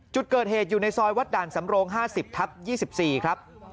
จุดเกิดเหตุอยู่ในซอยวัดด่านสำรงครับ